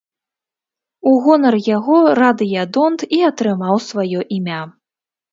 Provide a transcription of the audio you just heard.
У гонар яго радыядонт і атрымаў сваё імя.